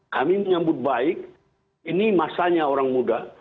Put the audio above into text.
kami menyambut baik ini masanya orang muda